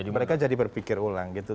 mereka jadi berpikir ulang gitu